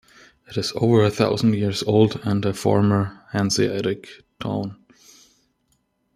It is over a thousand years old and a former Hanseatic town.